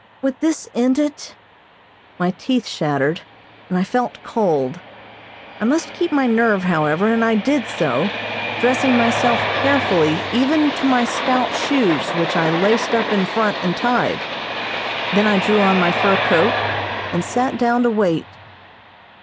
Would this end it? My teeth shattered, and I felt cold. I must keep my nerve, however, and I did so, dressing myself carefully even to my stout shoes which I laced up in front and tied. Then I drew on my fur coat and sat down to wait.